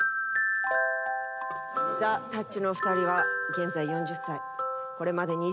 ザ・たっちのお二人は現在４０歳。